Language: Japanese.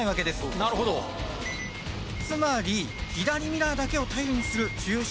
なるほどつまり左ミラーだけを頼りにする駐車